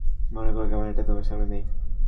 মনে করো, ক্যামেরাটা তোমার সামনে নেই।